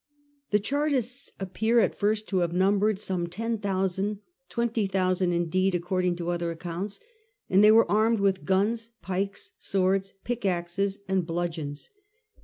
The Chartists appear at first to have numbered some ten thousand — twenty thousand in deed, accor ding to other accounts — and they were armed with guns, pikes, swords, pickaxes and blud geons.